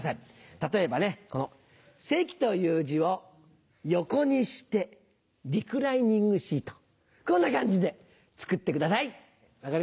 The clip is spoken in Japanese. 例えばねこの「席」という字を横にしてリクライニングシートこんな感じで作ってください。